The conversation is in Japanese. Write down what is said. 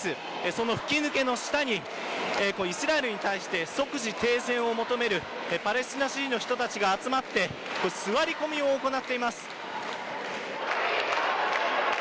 その吹き抜けの下にイスラエルに対して即時停戦を求めるパレスチナ支持の人たちが集まって座り込みを行っています。